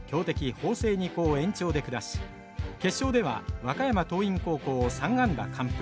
法政二高を延長で下し決勝では和歌山桐蔭高校を３安打完封。